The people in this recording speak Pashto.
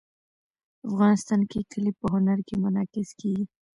افغانستان کې کلي په هنر کې منعکس کېږي.